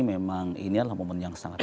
memang ini adalah momen yang sangat